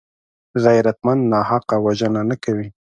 غیرتمند ناحقه وژنه نه کوي